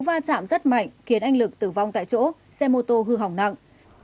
va chạm rất mạnh khiến anh lực tử vong tại chỗ xe mô tô hư hỏng nặng